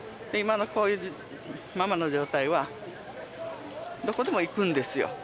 で今のこういうママの状態はどこでも行くんですよ